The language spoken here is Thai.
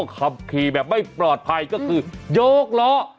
ขับขี่แบบไม่ปลอดภัยก็คือยกล้อ